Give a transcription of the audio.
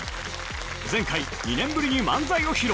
前回、２年ぶりに漫才を披露。